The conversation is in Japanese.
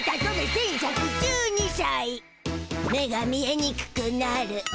目が見えにくくなる。